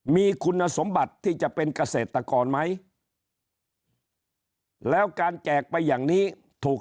มีคุณสมบัติที่จะเป็นเกษตรกรไหมแล้วการแจกไปอย่างนี้ถูก